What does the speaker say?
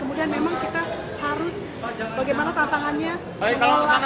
kemudian memang kita harus bagaimana tantangannya mengolah ikan